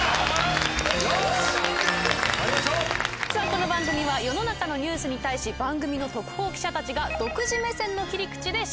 この番組は世の中のニュースに対し番組のトクホウ記者たちが独自目線の切り口で取材。